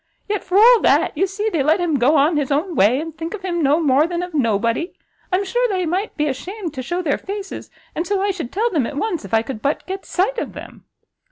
yet, for all that, you see they let him go on his own way, and think of him no more than of nobody! I'm sure they might be ashamed to shew their faces, and so I should tell them at once, if I could but get sight of them."